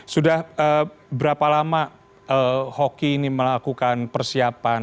sudah berapa lama hoki ini melakukan persiapan